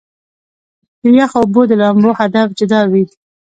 د يخو اوبو د لامبلو هدف جدا وي -